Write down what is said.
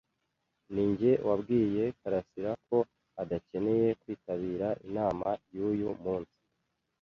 Ninjye wabwiye karasira ko adakeneye kwitabira inama yuyu munsi.